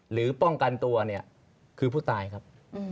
หรือป้องกันตัวเนี่ยคือผู้ตายครับ